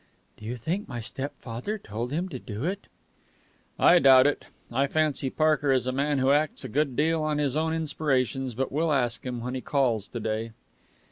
"Do you think my stepfather told him to do it?" "I doubt it. I fancy Parker is a man who acts a good deal on his own inspirations. But we'll ask him, when he calls to day."